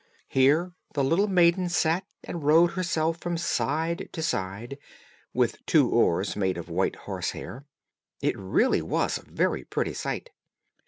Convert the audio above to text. Here the little maiden sat and rowed herself from side to side, with two oars made of white horse hair. It really was a very pretty sight.